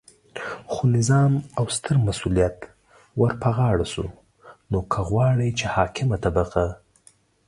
خو نظام او ستر مسؤلیت ورپه غاړه شو، نو که غواړئ چې حاکمه طبقه